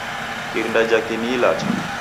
Irinda jhake ni ilacha.